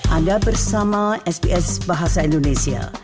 anda bersama sps bahasa indonesia